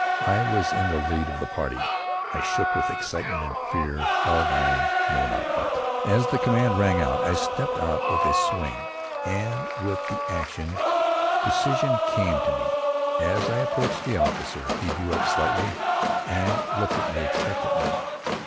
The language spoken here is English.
I was in the lead of the party. I shook with excitement and fear of I knew not what. As the command rang out I stepped out with a swing, and with the action, decision came to me. As I approached the officer he drew up slightly and looked at me expectantly.